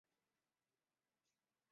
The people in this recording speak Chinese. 现教香港荃湾区重点青年军。